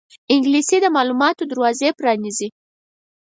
انګلیسي د معلوماتو دروازې پرانیزي